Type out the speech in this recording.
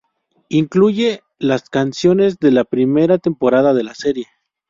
Incluye las canciones de la primera temporada de la serie.